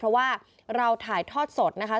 เพราะว่าเราถ่ายทอดสดนะคะ